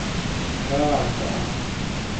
چھاݽݳ